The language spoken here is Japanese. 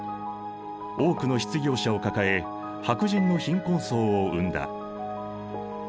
多くの失業者を抱え白人の貧困層を生んだ。